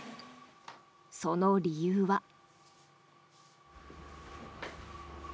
その理由は。